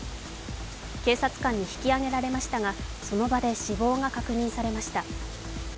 警察官に引き上げられましたがその場で死亡が確認されました。